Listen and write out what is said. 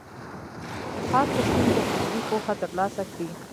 هر پښتون دي عصري پوهه ترلاسه کړي.